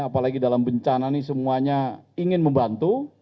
apalagi dalam bencana ini semuanya ingin membantu